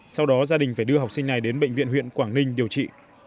sau đó gia đình phải đưa học sinh này đến bệnh viện huyện quảng ninh điều trị